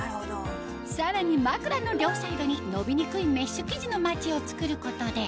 さらに枕の両サイドに伸びにくいメッシュ生地のマチを作ることで